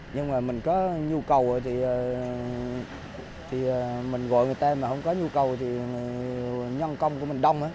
nhưng mà mình có nhu cầu thì mình gọi người ta mà không có nhu cầu thì nhân công của mình đông á